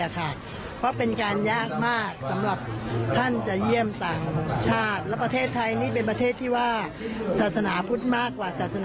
คุณพระมัญินทรงต้องกินพรรดิบันทองมาจากไหน